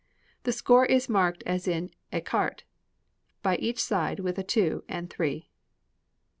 The score is marked as in Ecarté, by each side with a two and three.